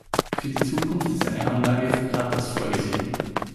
Für die Zukunft ist eine Anlage für Kattas vorgesehen.